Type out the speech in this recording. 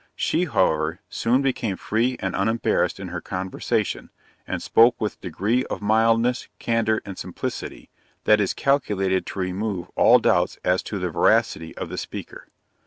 She, however, soon became free and unembarrassed in her conversation, and spoke with degree of mildness, candor and simplicity, that is calculated to remove all doubts as to the veracity of the speaker.